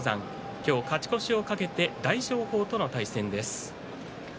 今日、勝ち越しを懸けて大翔鵬との対戦です。